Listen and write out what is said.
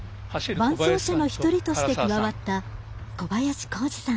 伴走者の１人として加わった小林光二さん。